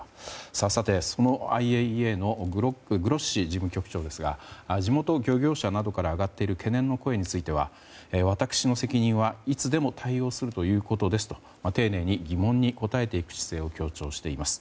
さて、そのＩＡＥＡのグロッシ事務局長ですが地元漁業者などから上がっている懸念の声については私の責任は、いつでも対応するということですと丁寧に疑問に答えていく姿勢を強調しています。